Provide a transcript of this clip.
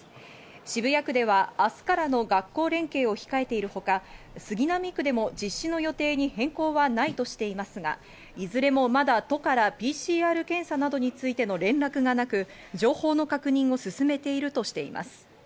渋谷区では明日からの学校連携を控えているほか、杉並区でも実施の予定に変更はないとしていますが、いずれもまだ都からＰＣＲ検査などについての連絡がなく、情報の確認を進めているとしています。